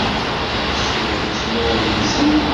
Tessneḍ ismawen-nsen?